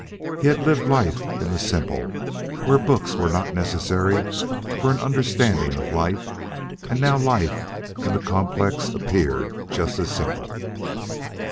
He had lived life in the simple, where books were not necessary for an understanding of life, and now life in the complex appeared just as simple.